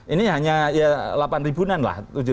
ini hanya delapan an lah